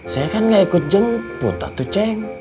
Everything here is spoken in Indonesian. saya kan gak ikut jemput atu ceng